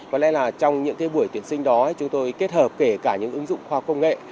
có lẽ là trong những buổi tuyển sinh đó chúng tôi kết hợp kể cả những ứng dụng khoa học công nghệ